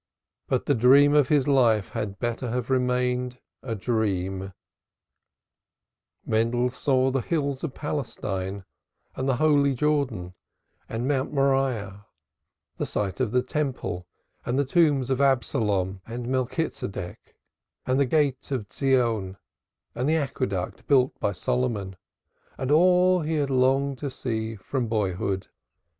But the dream of his life had better have remained a dream Mendel saw the hills of Palestine and the holy Jordan and Mount Moriah, the site of the Temple, and the tombs of Absalom and Melchitsedek, and the gate of Zion and the aqueduct built by Solomon, and all that he had longed to see from boyhood.